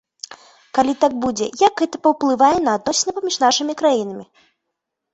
Калі так будзе, як гэта паўплывае на адносіны паміж нашымі краінамі?